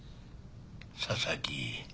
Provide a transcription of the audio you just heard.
佐々木